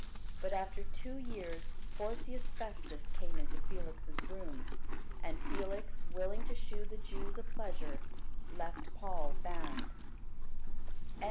But after two years Porcius Festus came into Felix' room: and Felix, willing to shew the Jews a pleasure, left Paul bound.